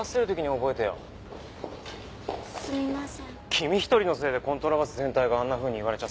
君一人のせいでコントラバス全体があんなふうに言われちゃさ。